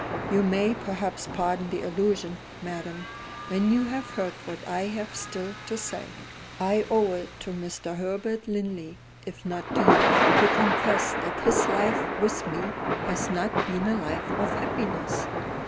"You may perhaps pardon the allusion, madam, when you have heard what I have still to say. I owe it to Mr. Herbert Linley, if not to you, to confess that his life with me has not been a life of happiness.